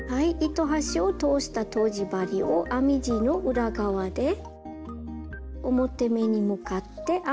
糸端を通したとじ針を編み地の裏側で表目に向かって編み目にくぐらせます。